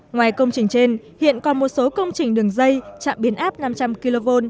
ngoài công trình trên hiện còn một số công trình đường dây trạm biến áp năm trăm linh kv